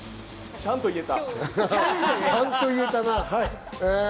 ちゃんと言えた。